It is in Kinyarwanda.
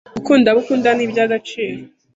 Gukunda abo ukunda nibya agaciro